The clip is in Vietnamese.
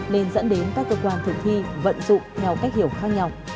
nên dẫn đến các cơ quan thực thi vận dụng theo cách hiểu khác nhau